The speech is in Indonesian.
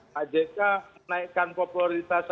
pak jk menaikkan popularitasnya